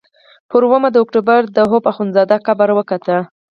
پر اوومه د اکتوبر د حبو اخندزاده قبر وکت.